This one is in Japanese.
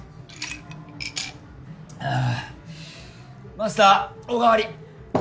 マスターおかわり。